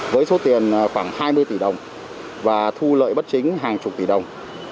với số tiền khoảng hai mươi tỷ đồng và thu lợi bất chính hàng chục tỷ đồng